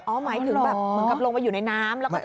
อ๋อหมายถึงแบบมึงกับลงไปอยู่ในน้ำ